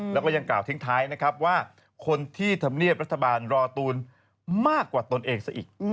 แล้วก็ยังกล่าวทิ้งท้ายนะครับว่าคนที่ทำเนียบรัฐบาลรอตูนมากกว่าตนเองซะอีก